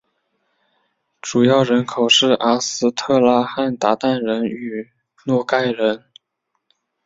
主要人口是阿斯特拉罕鞑靼人与诺盖人。